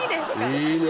いいね。